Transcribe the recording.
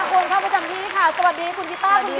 คุณท่านผู้จังพี่ค่ะสวัสดีคุณกีฟ้าคุณพี่